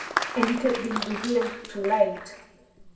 And it had been revealed too late.